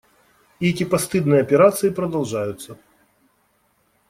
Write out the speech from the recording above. И эти постыдные операции продолжаются.